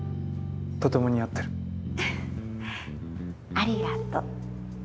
ありがとう。